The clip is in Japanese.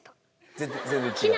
全然違う？